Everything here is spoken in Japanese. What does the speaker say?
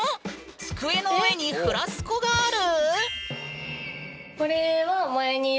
机の上にフラスコがある？